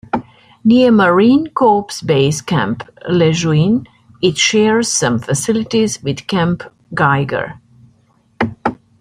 Near Marine Corps Base Camp Lejeune, it shares some facilities with Camp Geiger.